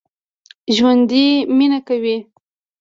ژوندي مېنه کوي